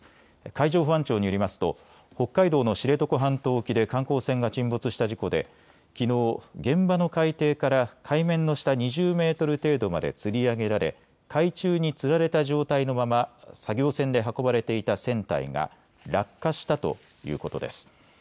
海上保安庁によりますと北海道の知床半島沖で観光船が沈没した事故できのう現場の海底から海面の下２０メートル程度までつり上げられ海中につられた状態のまま作業船で運ばれていた船体が落下したということです。